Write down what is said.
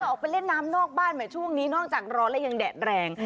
ออกไปเล่นน้ำนอกบ้านใหม่ช่วงนี้นอกจากร้อนแล้วยังแดดแรง